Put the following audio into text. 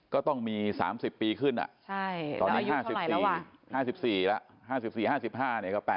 ก็ต้องมี๓๐ปีขึ้นตอนนั้น๕๔แล้ว๕๔๕๕เนี่ยก็๘๐